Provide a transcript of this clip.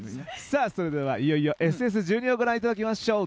それではいよいよＳＳ１２をご覧いただきましょう。